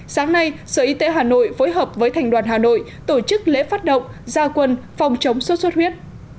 sáng nay sở y tế hà nội phối hợp với thành đoàn hà nội tổ chức lễ phát động gia quân phòng chống sốt xuất huyết